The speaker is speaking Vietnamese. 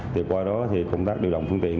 từ qua đó công tác điều động phương tiện